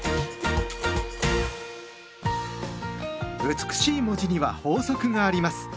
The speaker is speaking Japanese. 美しい文字には法則があります。